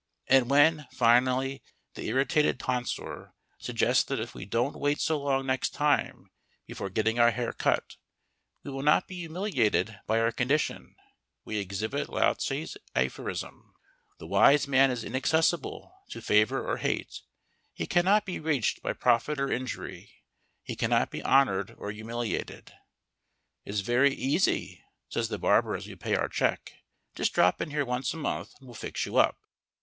_ And when (finally) the irritated tonsor suggests that if we don't wait so long next time before getting our hair cut we will not be humiliated by our condition, we exhibit Lao Tse's aphorism: _The wise man is inaccessible to favour or hate; he cannot be reached by profit or injury; he cannot be honoured or humiliated._ "It's very easy," says the barber as we pay our check; "just drop in here once a month and we'll fix you up."